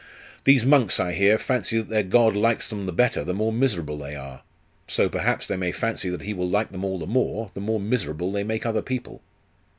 'These monks, I hear, fancy that their God likes them the better the more miserable they are: so, perhaps they may fancy that he will like them all the more, the more miserable they make other people.